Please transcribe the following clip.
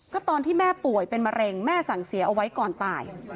ก็ตอนที่แม่ป่วยเป็นมะเร็งแม่สั่งเสียเอาไว้ก่อนตาย